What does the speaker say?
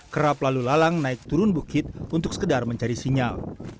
kerap lalu lalang naik turun bukit untuk sekedar mencari sinyal